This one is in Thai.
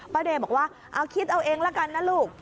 เดย์บอกว่าเอาคิดเอาเองละกันนะลูก